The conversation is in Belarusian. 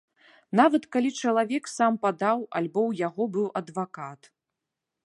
Нават калі чалавек сам падаў, альбо ў яго быў адвакат.